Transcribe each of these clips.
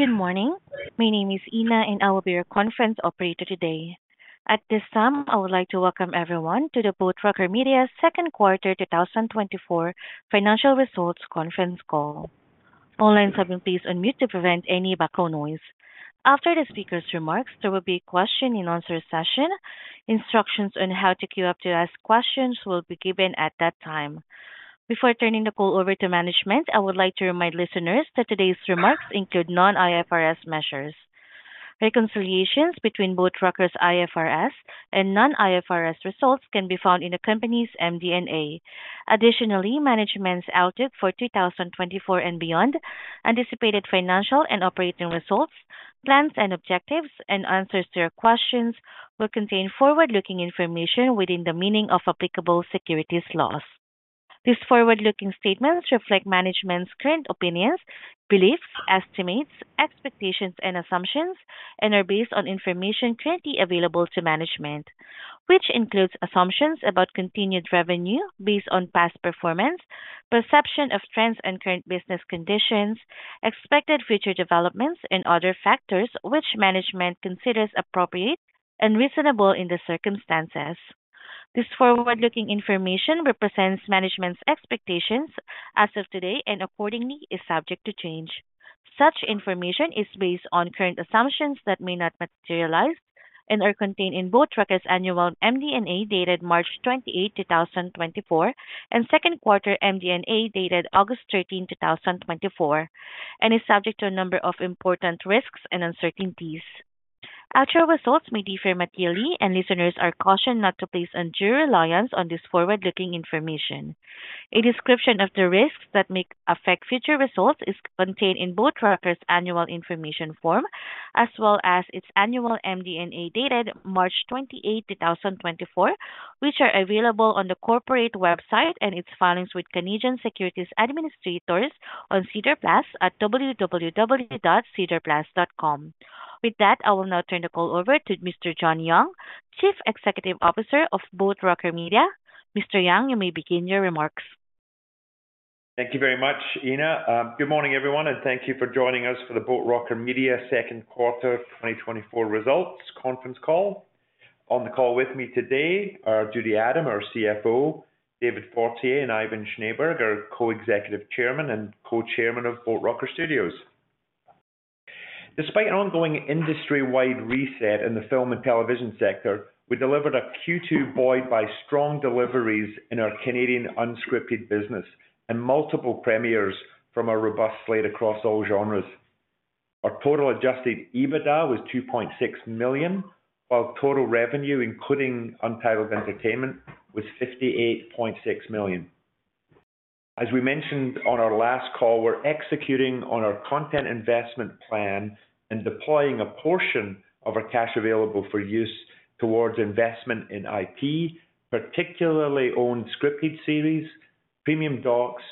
Good morning. My name is Ina, and I will be your conference operator today. At this time, I would like to welcome everyone to the Boat Rocker Media's Second Quarter 2024 Financial Results Conference Call. All lines have been placed on mute to prevent any background noise. After the speaker's remarks, there will be a question and answer session. Instructions on how to queue up to ask questions will be given at that time. Before turning the call over to management, I would like to remind listeners that today's remarks include non-IFRS measures. Reconciliations between both Boat Rocker's IFRS and non-IFRS results can be found in the company's MD&A. Additionally, management's outlook for 2024 and beyond, anticipated financial and operating results, plans and objectives, and answers to your questions will contain forward-looking information within the meaning of applicable securities laws. These forward-looking statements reflect management's current opinions, beliefs, estimates, expectations, and assumptions, and are based on information currently available to management, which includes assumptions about continued revenue based on past performance, perception of trends and current business conditions, expected future developments, and other factors which management considers appropriate and reasonable in the circumstances. This forward-looking information represents management's expectations as of today, and accordingly is subject to change. Such information is based on current assumptions that may not materialize and are contained in Boat Rocker's annual MD&A, dated March 28, 2024, and second quarter MD&A, dated August 13, 2024, and is subject to a number of important risks and uncertainties. Actual results may differ materially, and listeners are cautioned not to place undue reliance on this forward-looking information. A description of the risks that may affect future results is contained in Boat Rocker's Annual Information Form, as well as its annual MD&A, dated March 28, 2024, which are available on the corporate website and its filings with Canadian Securities Administrators on SEDAR+ at www.sedarplus.com. With that, I will now turn the call over to Mr. John Young, Chief Executive Officer of Boat Rocker Media. Mr. Young, you may begin your remarks. Thank you very much, Ina. Good morning, everyone, and thank you for joining us for the Boat Rocker Media Second Quarter 2024 Results Conference Call. On the call with me today are Judy Adam, our Chief Financial Officer David Fortier and Ivan Schneeberg, our Co-Executive Chairman and Co-Chairman of Boat Rocker Studios. Despite an ongoing industry-wide reset in the film and television sector, we delivered a Q2 buoyed by strong deliveries in our Canadian unscripted business and multiple premieres from a robust slate across all genres. Our total Adjusted EBITDA was 2.6 million, while total revenue, including Untitled Entertainment, was 58.6 million. As we mentioned on our last call, we're executing on our content investment plan and deploying a portion of our Cash Available for Use towards investment in IP, particularly owned scripted series, premium docs,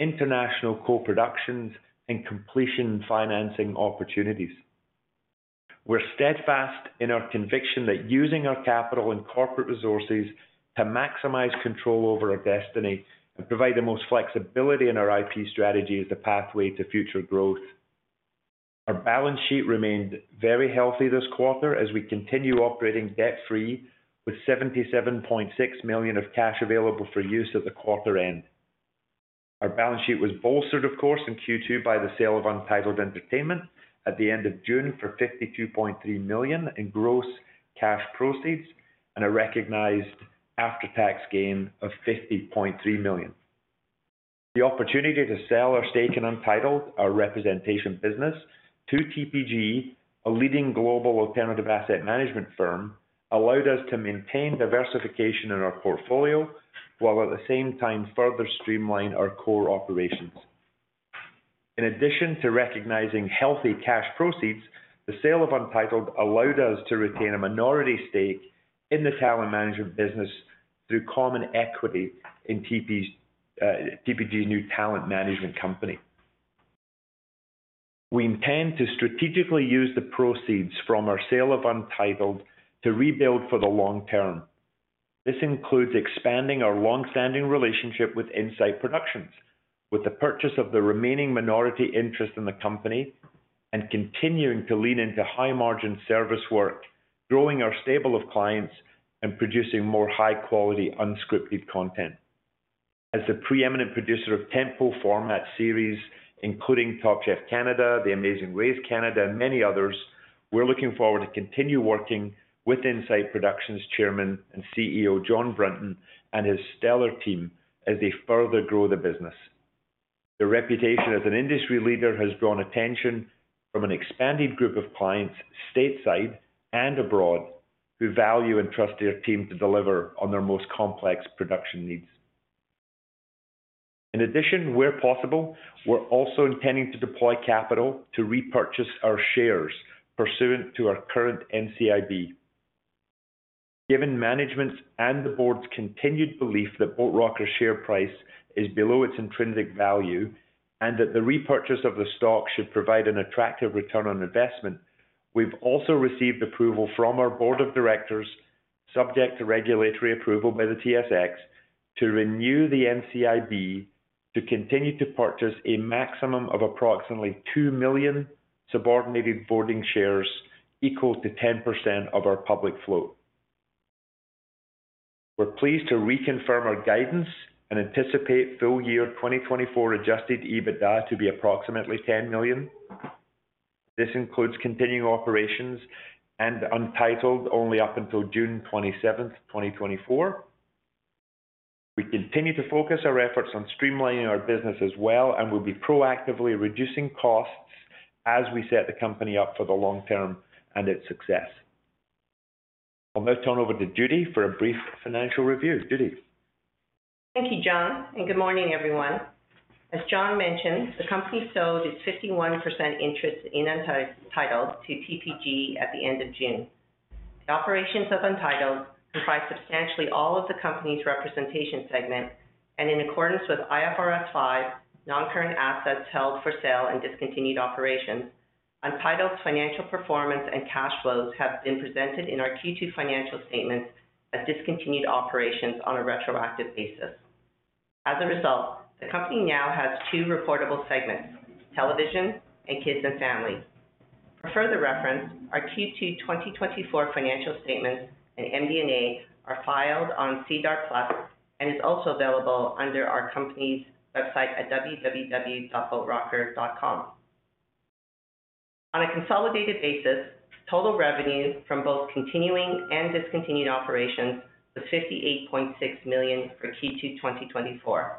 international Co-productions, and completion financing opportunities. We're steadfast in our conviction that using our capital and corporate resources to maximize control over our destiny and provide the most flexibility in our IP strategy is the pathway to future growth. Our balance sheet remained very healthy this quarter as we continue operating debt-free, with 77.6 million of cash available for use at the quarter end. Our balance sheet was bolstered, of course, in Q2 by the sale of Untitled Entertainment at the end of June for 52.3 million in gross cash proceeds and a recognized after-tax gain of 50.3 million. The opportunity to sell our stake in Untitled, our representation business, to TPG, a leading global alternative asset management firm, allowed us to maintain diversification in our portfolio, while at the same time further streamline our core operations. In addition to recognizing healthy cash proceeds, the sale of Untitled allowed us to retain a minority stake in the talent management business through common equity in TPG, TPG's new talent management company. We intend to strategically use the proceeds from our sale of Untitled to rebuild for the long term. This includes expanding our long-standing relationship with Insight Productions, with the purchase of the remaining minority interest in the company, and continuing to lean into high-margin service work, growing our stable of clients, and producing more high-quality, unscripted content. As the preeminent producer of templated format series, including Top Chef Canada, The Amazing Race Canada, and many others, we're looking forward to continue working with Insight Productions Chairman and Chief Executive Officer John Brunton, and his stellar team as they further grow the business. Their reputation as an industry leader has drawn attention from an expanded group of clients stateside and abroad, who value and trust their team to deliver on their most complex production needs. In addition, where possible, we're also intending to deploy capital to repurchase our shares pursuant to our current NCIB. Given management's and the board's continued belief that Boat Rocker's share price is below its intrinsic value, and that the repurchase of the stock should provide an attractive return on investment, we've also received approval from our board of directors to subject to regulatory approval by the TSX, to renew the NCIB, to continue to purchase a maximum of approximately 2 million subordinated voting shares, equal to 10% of our public float. We're pleased to reconfirm our guidance and anticipate full year 2024 adjusted EBITDA to be approximately 10 million. This includes continuing operations and Untitled only up until June 27th, 2024. We continue to focus our efforts on streamlining our business as well, and we'll be proactively reducing costs as we set the company up for the long term and its success. I'll now turn over to Judy for a brief financial review. Judy? Thank you, John, and good morning, everyone. As John mentioned, the company sold its 51% interest in Untitled to TPG at the end of June. The operations of Untitled provide substantially all of the company's representation segment and in accordance with IFRS 5, non-current assets held for sale and discontinued operations. Untitled's financial performance and cash flows have been presented in our Q2 2024 financial statements as discontinued operations on a retroactive basis. As a result, the company now has two reportable segments, Television and Kids and Family. For further reference, our Q2 2024 financial statements and MD&A are filed on SEDAR+, and is also available under our company's website at www.boatrocker.com. On a consolidated basis, total revenues from both continuing and discontinued operations was 58.6 million for Q2 2024,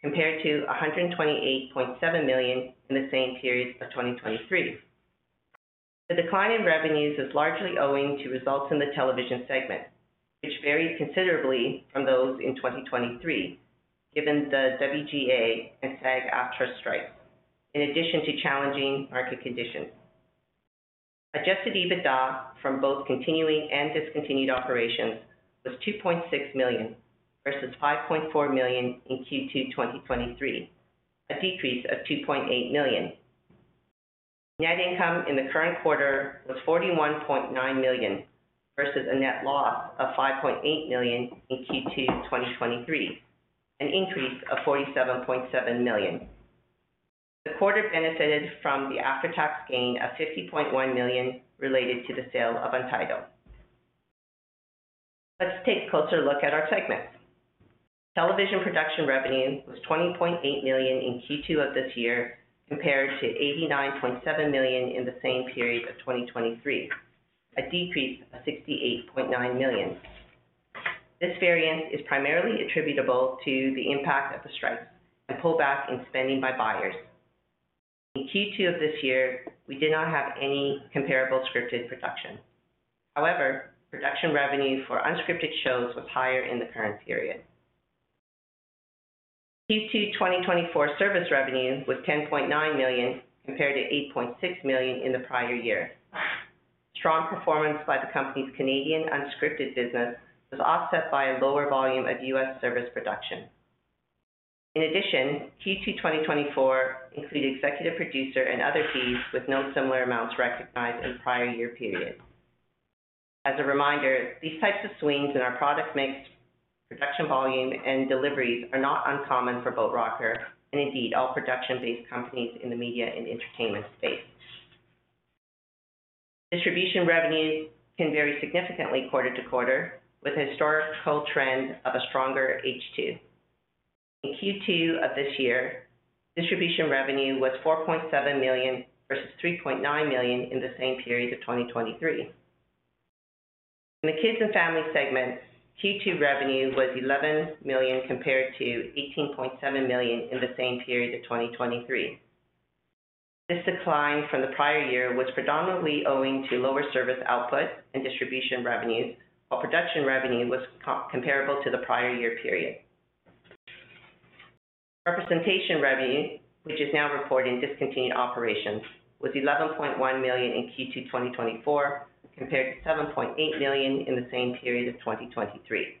compared to 128.7 million in the same period of 2023. The decline in revenues is largely owing to results in the television segment, which varies considerably from those in 2023, given the WGA and SAG-AFTRA strike, in addition to challenging market conditions. Adjusted EBITDA from both continuing and discontinued operations was 2.6 million versus 5.4 million in Q2 2023, a decrease of 2.8 million. Net income in the current quarter was 41.9 million versus a net loss of 5.8 million in Q2 2023, an increase of 47.7 million. The quarter benefited from the after-tax gain of 50.1 million related to the sale of Untitled. Let's take a closer look at our segments. Television production revenue was 20.8 million in Q2 of this year, compared to 89.7 million in the same period of 2023, a decrease of 68.9 million. This variance is primarily attributable to the impact of the strike and pullback in spending by buyers. In Q2 of this year, we did not have any comparable scripted production. However, production revenue for unscripted shows was higher in the current period. Q2 2024 service revenue was 10.9 million, compared to 8.6 million in the prior year. Strong performance by the company's Canadian unscripted business was offset by a lower volume of U.S. service production. In addition, Q2 2024 included executive producer and other fees, with no similar amounts recognized in prior year periods. As a reminder, these types of swings in our product mix, production, volume, and deliveries are not uncommon for Boat Rocker and indeed all production-based companies in the media and entertainment space. Distribution revenues can vary significantly quarter to quarter, with a historical trend of a stronger H2. In Q2 of this year, distribution revenue was 4.7 million versus 3.9 million in the same period of 2023. In the Kids and Family segment, Q2 revenue was 11 million, compared to 18.7 million in the same period of 2023. This decline from the prior year was predominantly owing to lower service output and distribution revenues, while production revenue was comparable to the prior year period. Representation revenue, which is now reported in discontinued operations, was 11.1 million in Q2 2024, compared to 7.8 million in the same period of 2023.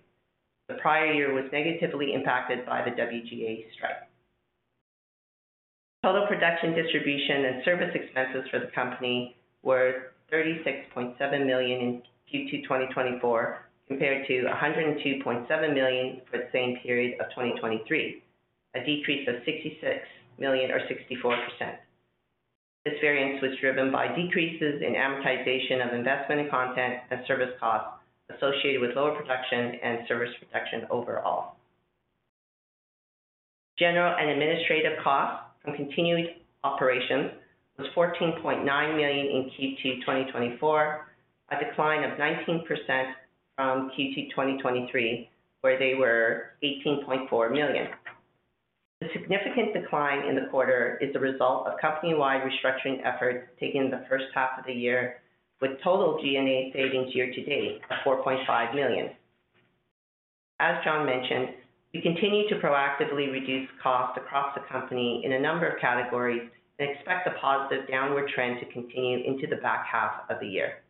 The prior year was negatively impacted by the WGA strike. Total production, distribution, and service expenses for the company were 36.7 million in Q2 2024, compared to 102.7 million for the same period of 2023, a decrease of 66 million or 64%. This variance was driven by decreases in amortization of investment in content and service costs associated with lower production and service protection overall. General and administrative costs from continued operations was 14.9 million in Q2 2024, a decline of 19% from Q2 2023, where they were 18.4 million. The significant decline in the quarter is the result of company-wide restructuring efforts taken in the first half of the year, with total G&A savings year to date of 4.5 million. As John mentioned, we continue to proactively reduce costs across the company in a number of categories and expect a positive downward trend to continue into the back half of the year.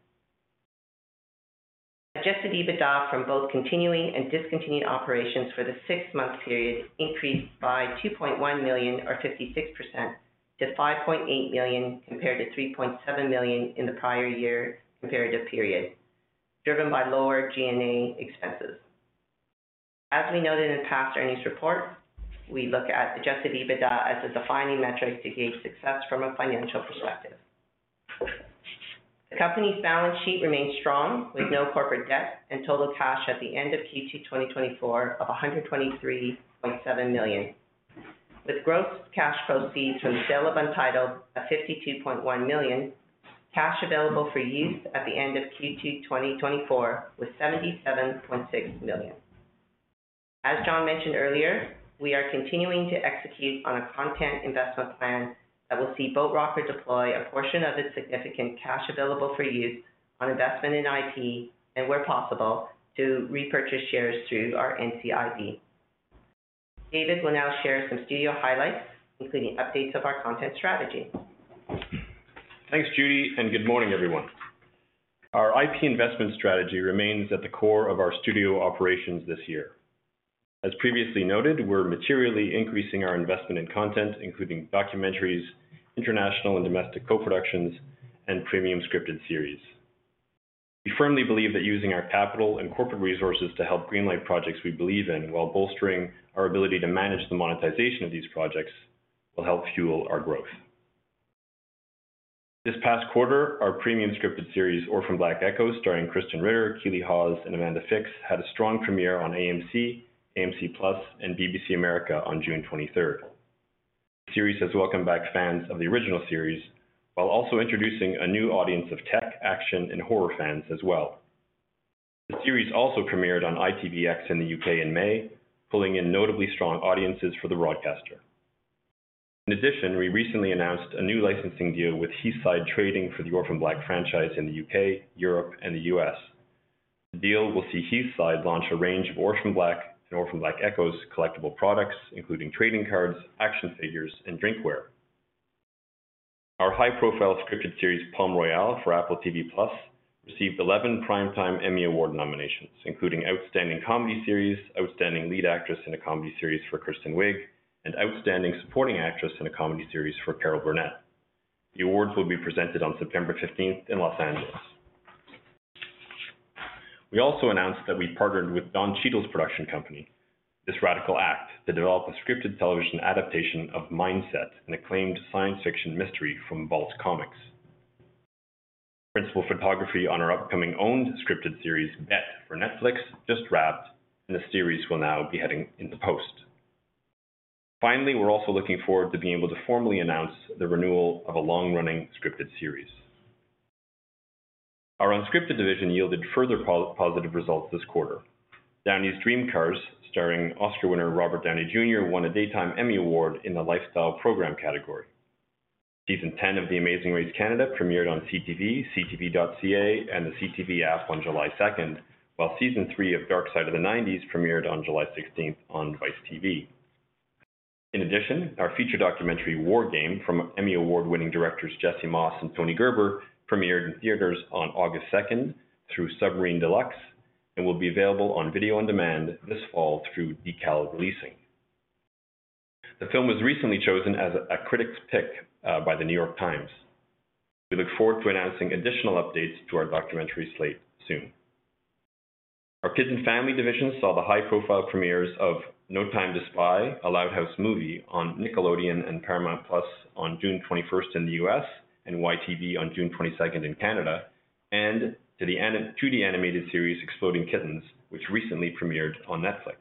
Adjusted EBITDA from both continuing and discontinued operations for the six-month period increased by 2.1 million or 56% to 5.8 million compared to 3.7 million in the prior year comparative period, driven by lower G&A expenses. As we noted in past earnings report, we look at adjusted EBITDA as a defining metric to gauge success from a financial perspective. The company's balance sheet remains strong, with no corporate debt and total cash at the end of Q2, 2024 of 123.7 million. With gross cash proceeds from the sale of Untitled, a 52.1 million, cash available for use at the end of Q2 2024 was 77.6 million. As John mentioned earlier, we are continuing to execute on a content investment plan that will see Boat Rocker deploy a portion of its significant cash available for use on investment in IP and where possible, to repurchase shares through our NCIB. David will now share some studio highlights, including updates of our content strategy. Thanks, Judy, and good morning, everyone. Our IP investment strategy remains at the core of our studio operations this year. As previously noted, we're materially increasing our investment in content, including documentaries, international and domestic co-productions, and premium scripted series. We firmly believe that using our capital and corporate resources to help greenlight projects we believe in, while bolstering our ability to manage the monetization of these projects, will help fuel our growth. This past quarter, our premium scripted series, Orphan Black: Echoes, starring Krysten Ritter, Keeley Hawes, and Amanda Fix, had a strong premiere on AMC, AMC+, and BBC America on June 23rd. The series has welcomed back fans of the original series, while also introducing a new audience of tech, action, and horror fans as well. The series also premiered on ITVX in the U.K. in May, pulling in notably strong audiences for the broadcaster. In addition, we recently announced a new licensing deal with Heathside Trading for the Orphan Black franchise in the U.K., Europe, and the U.S.. The deal will see Heathside launch a range of Orphan Black and Orphan Black Echoes collectible products, including trading cards, action figures, and drinkware. Our high-profile scripted series, Palm Royale for Apple TV+, received 11 Primetime Emmy Award nominations, including Outstanding Comedy Series, Outstanding Lead Actress in a Comedy Series for Kristen Wiig, and Outstanding Supporting Actress in a Comedy Series for Carol Burnett. The awards will be presented on September fifteenth in Los Angeles. We also announced that we partnered with Don Cheadle's production company, This Radical Act, to develop a scripted television adaptation of Mindset, an acclaimed science fiction mystery from Vault Comics. Principal photography on our upcoming owned scripted series, Bet, for Netflix, just wrapped, and the series will now be heading into post. Finally, we're also looking forward to being able to formally announce the renewal of a long-running scripted series. Our unscripted division yielded further positive results this quarter. Downey's Dream Cars, starring Oscar winner Robert Downey Jr., won a Daytime Emmy Award in the lifestyle program category. Season 10 of The Amazing Race Canada premiered on CTV, CTV.ca, and the CTV app on July 2, while season 3 of Dark Side of the '90s premiered on July 16 on Vice TV. In addition, our feature documentary, War Game, from Emmy Award-winning directors Jesse Moss and Tony Gerber, premiered in theaters on August 2 through Submarine Deluxe and will be available on video on demand this fall through Decal Releasing. The film was recently chosen as a critic's pick by The New York Times. We look forward to announcing additional updates to our documentary slate soon. Our Kids and Family division saw the high-profile premieres of No Time to Spy: A Loud House Movie on Nickelodeon and Paramount+ on June 21 in the U.S., and YTV on June 22 in Canada, and to the 2D animated series, Exploding Kittens, which recently premiered on Netflix.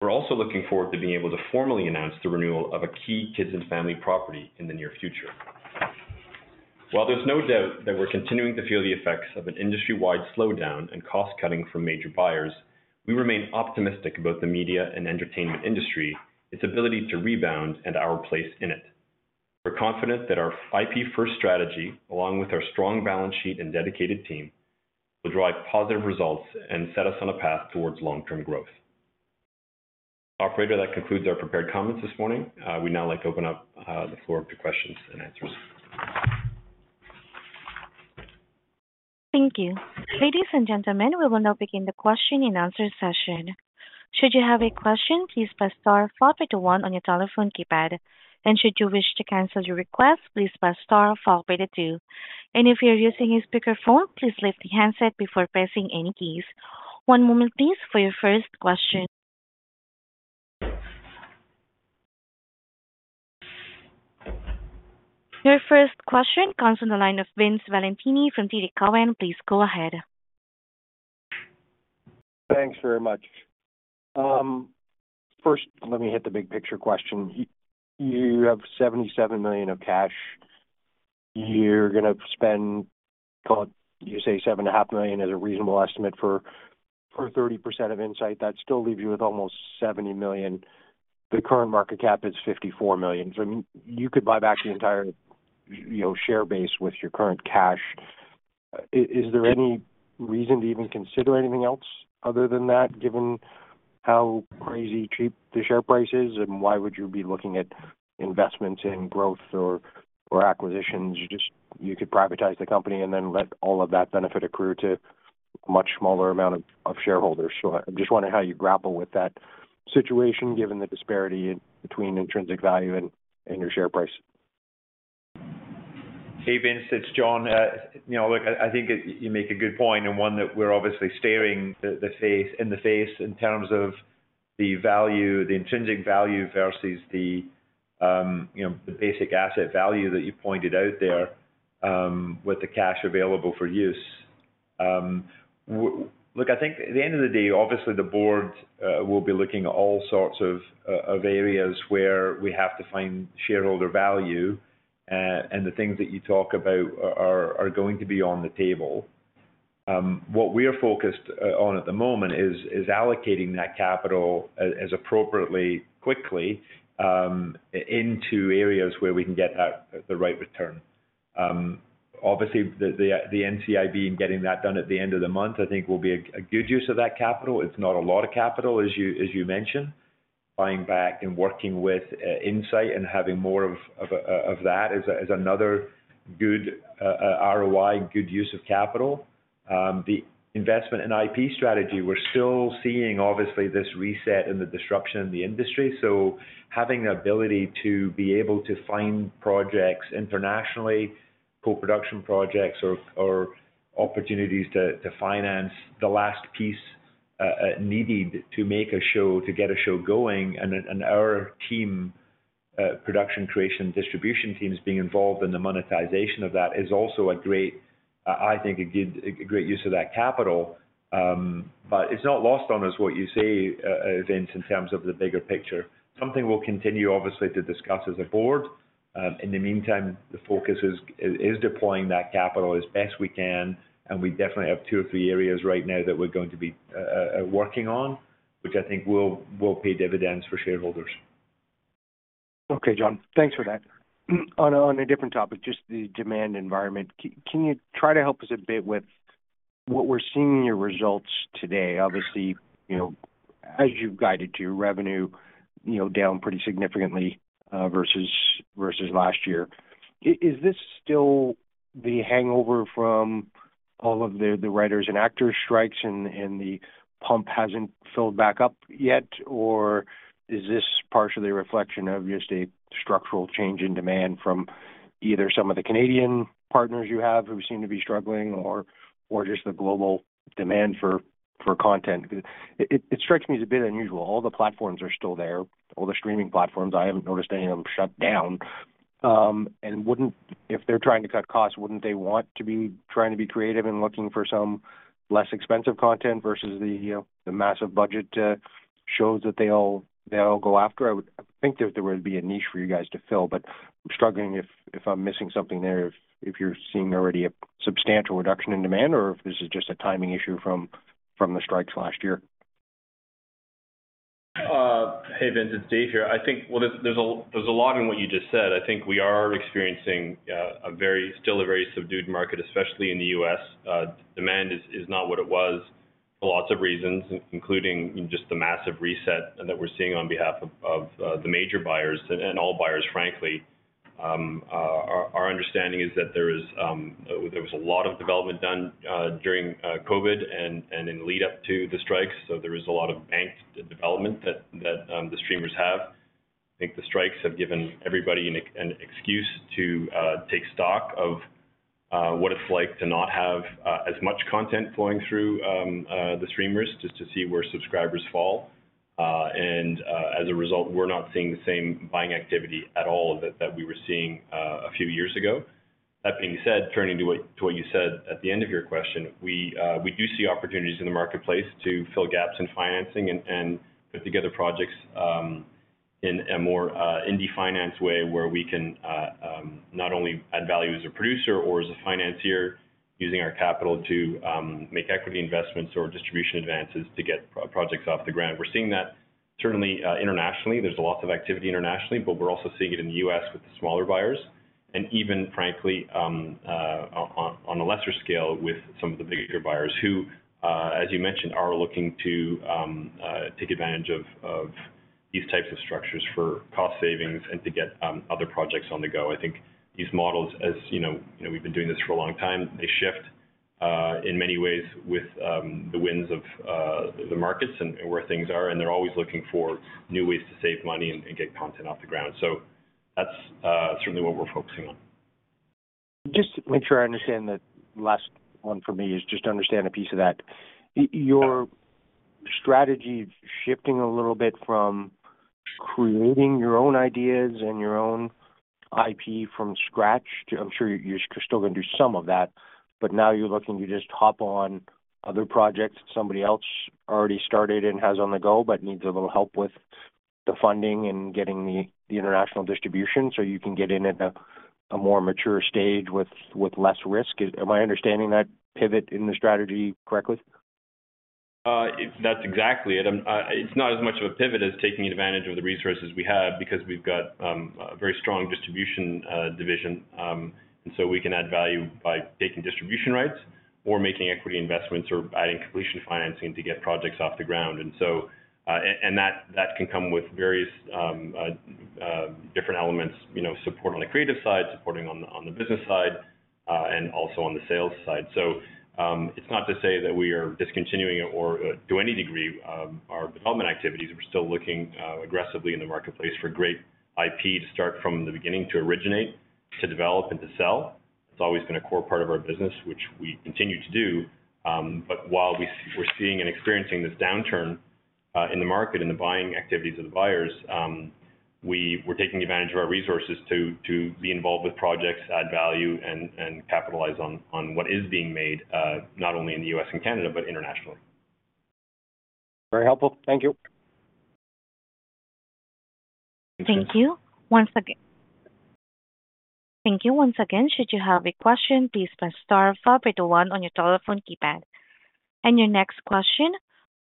We're also looking forward to being able to formally announce the renewal of a key kids and family property in the near future. While there's no doubt that we're continuing to feel the effects of an industry-wide slowdown and cost cutting from major buyers, we remain optimistic about the media and entertainment industry, its ability to rebound, and our place in it. We're confident that our IP-first strategy, along with our strong balance sheet and dedicated team, will drive positive results and set us on a path towards long-term growth. Operator, that concludes our prepared comments this morning. We'd now like to open up the floor up to questions and answers. Thank you. Ladies and gentlemen, we will now begin the question and answer session. Should you have a question, please press star followed by the one on your telephone keypad. Should you wish to cancel your request, please press star followed by the two. If you're using a speakerphone, please lift the handset before pressing any keys. One moment, please, for your first question. Your first question comes from the line of Vince Valentini from TD Cowen. Please go ahead. Thanks very much. First, let me hit the big picture question. You have 77 million of cash. You're gonna spend, call it, you say 7.5 million is a reasonable estimate for 30% of Insight. That still leaves you with almost 70 million. The current market cap is 54 million. So I mean, you could buy back the entire, you know, share base with your current cash. Is there any reason to even consider anything else other than that, given how crazy cheap the share price is? And why would you be looking at investments in growth or acquisitions? You just... You could privatize the company and then let all of that benefit accrue to... much smaller amount of shareholders. So, I just wondering how you grapple with that situation, given the disparity between intrinsic value and your share price? Hey, Vince, it's John. You know, look, I think you make a good point and one that we're obviously staring in the face in terms of the value, the intrinsic value versus the, you know, the basic asset value that you pointed out there, with the Cash Available for Use. Look, I think at the end of the day, obviously the board will be looking at all sorts of areas where we have to find shareholder value, and the things that you talk about are going to be on the table. What we are focused on at the moment is allocating that capital as appropriately, quickly into areas where we can get that, the right return. Obviously, the NCIB and getting that done at the end of the month, I think will be a good use of that capital. It's not a lot of capital, as you mentioned. Buying back and working with Insight and having more of that is another good ROI, good use of capital. The investment in IP strategy, we're still seeing, obviously, this reset and the disruption in the industry. So having the ability to be able to find projects internationally, co-production projects or opportunities to finance the last piece needed to make a show, to get a show going, and then our team, production, creation, distribution teams being involved in the monetization of that is also a great, I think, a good, a great use of that capital. But it's not lost on us, what you say, Vince, in terms of the bigger picture. Something we'll continue, obviously, to discuss as a board. In the meantime, the focus is deploying that capital as best we can, and we definitely have two or three areas right now that we're going to be working on, which I think will pay dividends for shareholders. Okay, John. Thanks for that. On a different topic, just the demand environment. Can you try to help us a bit with what we're seeing in your results today? Obviously, you know, as you've guided to your revenue, you know, down pretty significantly versus last year. Is this still the hangover from all of the writers and actors strikes, and the pump hasn't filled back up yet? Or is this partially a reflection of just a structural change in demand from either some of the Canadian partners you have, who seem to be struggling, or just the global demand for content? It strikes me as a bit unusual. All the platforms are still there, all the streaming platforms. I haven't noticed any of them shut down. And wouldn't... If they're trying to cut costs, wouldn't they want to be trying to be creative and looking for some less expensive content versus the, you know, the massive budget shows that they all, they all go after? I would think that there would be a niche for you guys to fill, but I'm struggling if, if I'm missing something there, if, if you're seeing already a substantial reduction in demand, or if this is just a timing issue from, from the strikes last year. Hey, Vince, it's Dave here. I think... Well, there's a lot in what you just said. I think we are experiencing a very, still a very subdued market, especially in the U.S. Demand is not what it was for lots of reasons, including just the massive reset that we're seeing on behalf of the major buyers and all buyers, frankly. Our understanding is that there was a lot of development done during COVID and in lead up to the strikes, so there is a lot of banked development that the streamers have. I think the strikes have given everybody an excuse to take stock of what it's like to not have as much content flowing through the streamers, just to see where subscribers fall. And as a result, we're not seeing the same buying activity at all, that we were seeing a few years ago. That being said, turning to what you said at the end of your question, we do see opportunities in the marketplace to fill gaps in financing and put together projects in a more indie finance way, where we can not only add value as a producer or as a financier, using our capital to make equity investments or distribution advances to get projects off the ground. We're seeing that certainly internationally. There's lots of activity internationally, but we're also seeing it in the U.S. with the smaller buyers, and even, frankly, on a lesser scale, with some of the bigger buyers who, as you mentioned, are looking to take advantage of these types of structures for cost savings and to get other projects on the go. I think these models, as you know, you know, we've been doing this for a long time. They shift in many ways with the winds of the markets and where things are, and they're always looking for new ways to save money and get content off the ground. So that's certainly what we're focusing on. Just to make sure I understand the last one for me, is just to understand a piece of that. Your strategy shifting a little bit from creating your own ideas and your own IP from scratch. I'm sure you're, you're still gonna do some of that, but now you're looking to just hop on other projects somebody else already started and has on the go, but needs a little help with the funding and getting the, the international distribution, so you can get in at a, a more mature stage with, with less risk. Am I understanding that pivot in the strategy correctly? That's exactly it. It's not as much of a pivot as taking advantage of the resources we have, because we've got a very strong distribution division. And so we can add value by taking distribution rights or making equity investments or adding completion financing to get projects off the ground. And that can come with various different elements, you know, support on the creative side, supporting on the business side... and also on the sales side. So it's not to say that we are discontinuing or to any degree our development activities. We're still looking aggressively in the marketplace for great IP to start from the beginning to originate, to develop, and to sell. It's always been a core part of our business, which we continue to do. But while we're seeing and experiencing this downturn in the market, in the buying activities of the buyers, we're taking advantage of our resources to be involved with projects, add value, and capitalize on what is being made, not only in the U.S. and Canada, but internationally. Very helpful. Thank you. Thank you. Once again, should you have a question, please press star, followed by the one on your telephone keypad. Your next question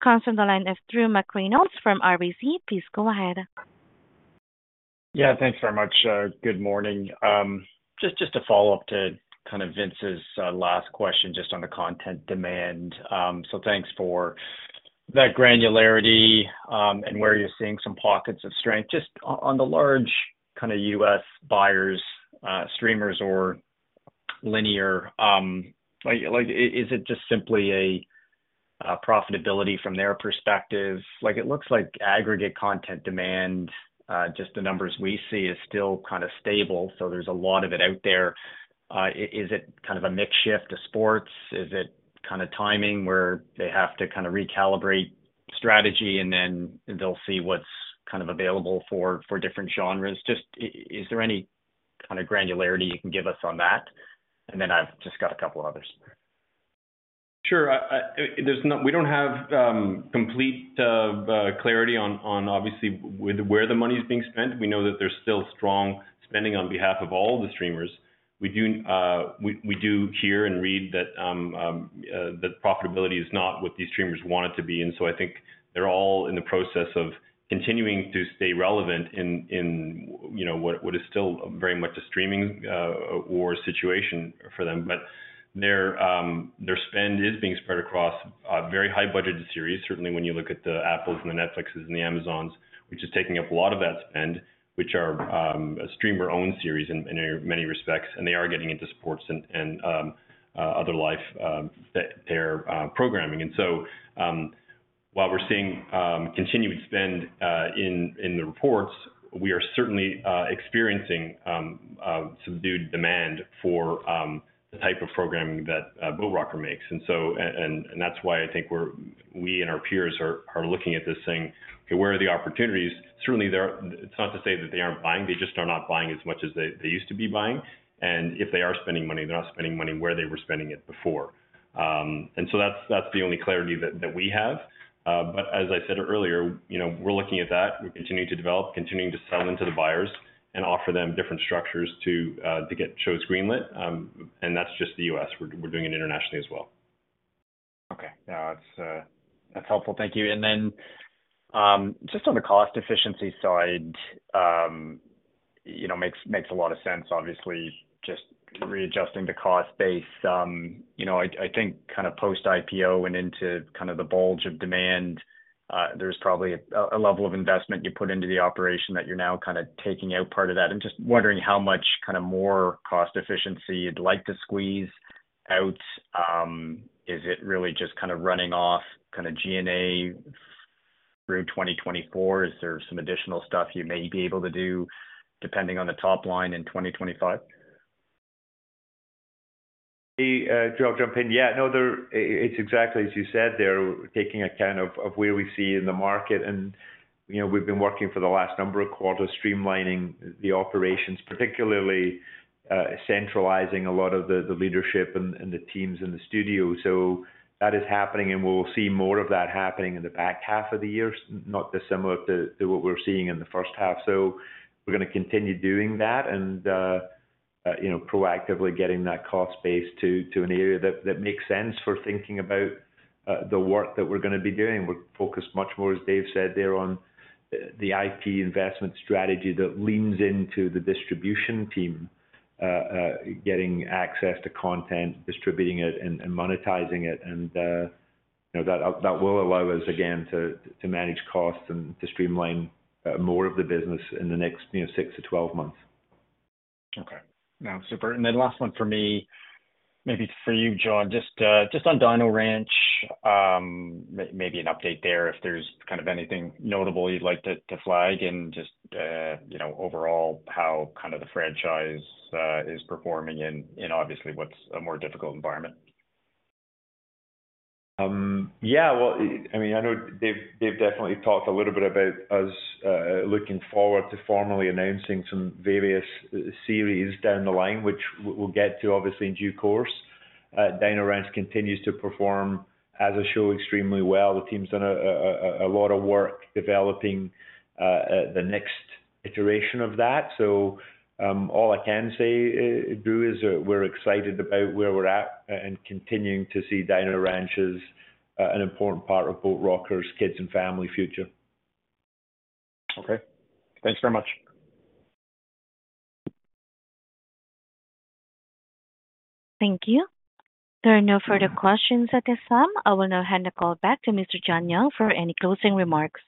comes from the line of Drew McReynolds from RBC. Please go ahead. Yeah, thanks very much. Good morning. Just to follow up to kind of Vince's last question, just on the content demand. So thanks for that granularity, and where you're seeing some pockets of strength. Just on the large kind of U.S. buyers, streamers or linear, like, is it just simply a profitability from their perspective? Like, it looks like aggregate content demand, just the numbers we see is still kind of stable, so there's a lot of it out there. Is it kind of a mix shift to sports? Is it kind of timing, where they have to kinda recalibrate strategy, and then they'll see what's kind of available for different genres? Just is there any kind of granularity you can give us on that? And then I've just got a couple others. Sure. We don't have complete clarity on obviously where the money is being spent. We know that there's still strong spending on behalf of all the streamers. We do hear and read that profitability is not what these streamers want it to be, and so I think they're all in the process of continuing to stay relevant in, you know, what is still very much a streaming war situation for them. But their spend is being spread across a very high budgeted series. Certainly when you look at the Apples and the Netflixes and the Amazons, which is taking up a lot of that spend, which are a streamer-owned series in many respects, and they are getting into sports and other life that they're programming. And so, while we're seeing continuing spend in the reports, we are certainly experiencing subdued demand for the type of programming that Boat Rocker makes. And so, that's why I think we're we and our peers are looking at this saying: "Where are the opportunities?" Certainly, they're... It's not to say that they aren't buying, they just are not buying as much as they used to be buying. And if they are spending money, they're not spending money where they were spending it before. And so that's the only clarity that we have. But as I said earlier, you know, we're looking at that. We're continuing to develop, continuing to sell into the buyers and offer them different structures to get shows greenlit. And that's just the US. We're doing it internationally as well. Okay. Yeah, that's, that's helpful. Thank you. And then, just on the cost efficiency side, you know, makes, makes a lot of sense, obviously, just readjusting the cost base. You know, I, I think kind of post-IPO and into kind of the bulge of demand, there's probably a, a level of investment you put into the operation that you're now kind of taking out part of that. I'm just wondering how much, kind of, more cost efficiency you'd like to squeeze out. Is it really just kind of running off kind of G&A through 2024? Is there some additional stuff you may be able to do, depending on the top line in 2025? Drew, I'll jump in. Yeah, no, there... it's exactly as you said there, taking account of where we see in the market. And, you know, we've been working for the last number of quarters, streamlining the operations, particularly centralizing a lot of the leadership and the teams in the studio. So that is happening, and we'll see more of that happening in the back half of the year, not dissimilar to what we're seeing in the first half. So we're gonna continue doing that and, you know, proactively getting that cost base to an area that makes sense for thinking about the work that we're gonna be doing. We're focused much more, as Dave said there, on the IP investment strategy that leans into the distribution team, getting access to content, distributing it, and monetizing it. You know, that will allow us again to manage costs and to streamline more of the business in the next, you know, 6-12 months. Okay. No, super. And then last one for me, maybe for you, John. Just, just on Dino Ranch, maybe an update there, if there's kind of anything notable you'd like to, to flag and just, you know, overall, how kind of the franchise is performing in, in obviously what's a more difficult environment. Yeah, well, I mean, I know Dave, Dave definitely talked a little bit about us looking forward to formally announcing some various series down the line, which we'll get to, obviously, in due course. Dino Ranch continues to perform as a show extremely well. The team's done a lot of work developing the next iteration of that. So, all I can say, Drew, is that we're excited about where we're at and continuing to see Dino Ranch as an important part of Boat Rocker's kids and family future. Okay. Thanks very much. Thank you. There are no further questions at this time. I will now hand the call back to Mr. John Young for any closing remarks.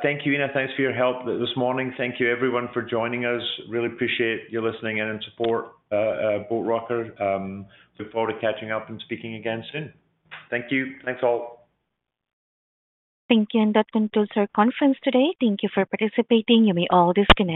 Thank you, Ina. Thanks for your help this morning. Thank you, everyone, for joining us. Really appreciate you listening in and support, Boat Rocker. Look forward to catching up and speaking again soon. Thank you. Thanks, all. Thank you, and that concludes our conference today. Thank you for participating. You may all disconnect.